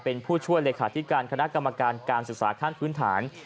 เป็นผู้ช่วยเลขาธิการคณะกรรมการการศึกษาขั้นพื้นฐาน